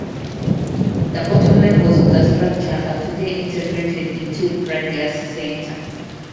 The bottom levels of the structure are today integrated into the Rideau Centre.